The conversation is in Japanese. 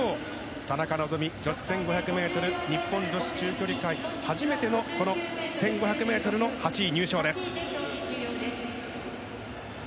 田中希実、女子１５００ｍ日本女子中距離界初めての１５００ｍの８位入賞です。